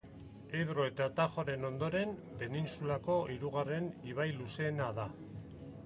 Ebro eta Tajoren ondoren, penintsulako hirugarren ibai luzeena da.